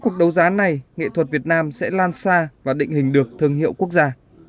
cuộc đấu giá này nghệ thuật việt nam sẽ lan xa và định hình được thương hiệu quốc gia